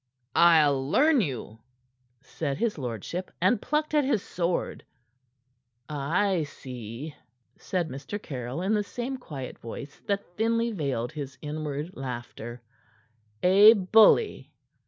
"I'll learn you," said his lordship, and plucked at his sword. "I see," said Mr. Caryll in the same quiet voice that thinly veiled his inward laughter "a bully!"